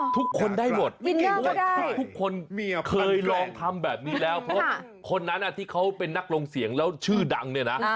ทุกคนได้หมดเพราะว่าทุกคนเคยลองทำแบบนี้แล้วเพราะคนนั้นที่เขาเป็นนักลงเสียงแล้วชื่อดังเนี่ยนะ